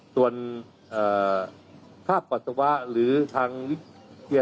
ส่วนภาพปัสสาวะหรือทางวิทยา